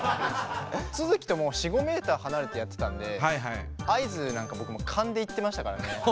都築ともう４５ｍ離れてやってたんで合図なんか僕もう勘でいってましたからね。